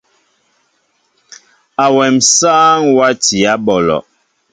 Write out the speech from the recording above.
Awém sááŋ watiyă ɓɔlɔ.